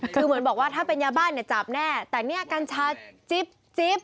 คือเหมือนบอกว่าถ้าเป็นยาบ้านเนี่ยจับแน่แต่เนี่ยกัญชาจิ๊บจิ๊บ